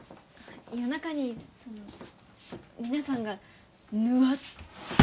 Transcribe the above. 夜中にその皆さんがぬわっと。